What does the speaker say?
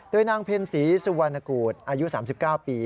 โดยนางเพ็ญศรีสุวรรณกูธอายุ๓๙ปี